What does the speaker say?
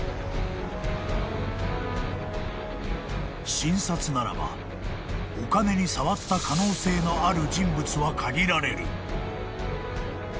［新札ならばお金に触った可能性のある人物は限られる］